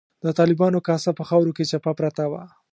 د طالبانو کاسه په خاورو کې چپه پرته وه.